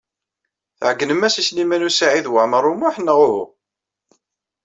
Tɛeyynem-as i Sliman U Saɛid Waɛmaṛ U Muḥ, neɣ uhu?